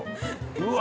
うわ！